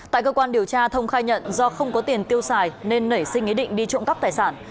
tại cơ quan điều tra thông khai nhận do không có tiền tiêu xài nên nảy sinh ý định đi trộm cắp tài sản